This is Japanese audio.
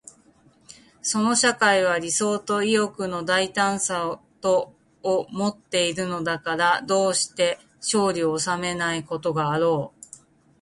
その社会は理想と意欲の大胆さとをもっているのだから、どうして勝利を収めないことがあろう。